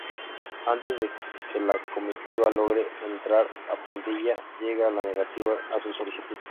Antes que la comitiva logre entrar a Padilla, llega la negativa a su solicitud.